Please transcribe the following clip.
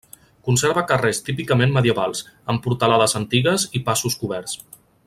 Conserva carrers típicament medievals, amb portalades antigues i passos coberts.